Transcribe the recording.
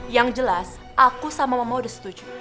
yang jelas aku sama mama udah setuju